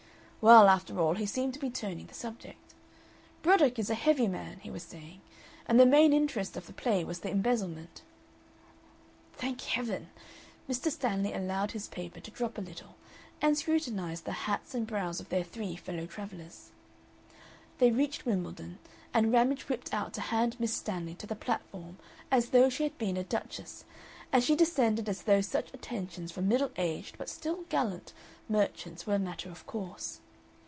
Well, after all, he seemed to be turning the subject. "Broddick is a heavy man," he was saying, "and the main interest of the play was the embezzlement." Thank Heaven! Mr. Stanley allowed his paper to drop a little, and scrutinized the hats and brows of their three fellow travellers. They reached Wimbledon, and Ramage whipped out to hand Miss Stanley to the platform as though she had been a duchess, and she descended as though such attentions from middle aged, but still gallant, merchants were a matter of course.